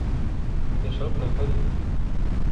يشربن الحليب.